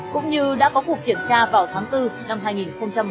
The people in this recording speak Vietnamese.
cũng như đã có cuộc kiểm tra vào tháng bốn năm hai nghìn một mươi tám